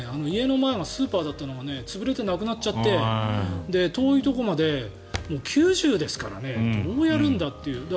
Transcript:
家の前がスーパーだったのが潰れてなくなっちゃって遠いところまでもう９０ですからねどうやるんだっていう。